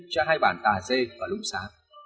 cho hai bản tà dê và lũ xá